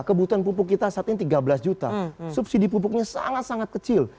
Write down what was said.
kebutuhan pupuk kita saat ini tiga belas juta subsidi pupuknya sangat sangat kecil